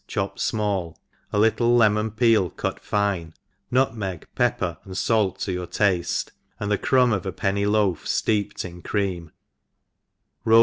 chopped fmall, a little lemon peel cut fine, nutr meg, pepper, and fait to your tafte, and the crumb of a penny loaf fteeped in cream, roll th?